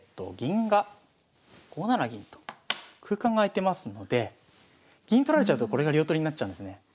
銀が５七銀と空間が空いてますので銀取られちゃうとこれが両取りになっちゃうんですね。